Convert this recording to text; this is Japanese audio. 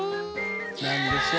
なんでしょう？